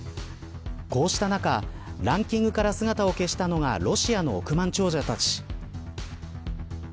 こうした中ランキングから姿を消したのがロシアの億万長者たち。